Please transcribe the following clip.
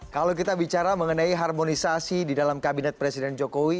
kalau kita bicara mengenai harmonisasi di dalam kabinet presiden jokowi